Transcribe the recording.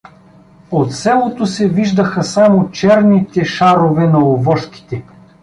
От селото се виждаха само черните шарове на овошките.